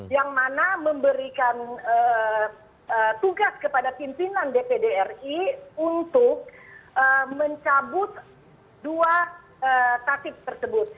yang mana memberikan tugas kepada pimpinan dpd ri untuk mencabut dua tatib tersebut